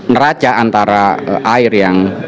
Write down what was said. neraca antara air yang